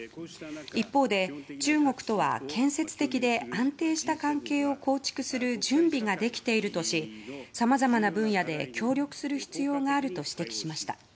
一方で、中国とは建設的で安定した関係を構築する準備ができているとしさまざまな分野で協力する必要があると指摘しました。